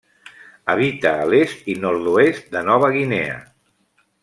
Habita a l'est i nord-oest de Nova Guinea.